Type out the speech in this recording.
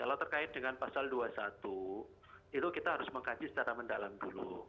kalau terkait dengan pasal dua puluh satu itu kita harus mengkaji secara mendalam dulu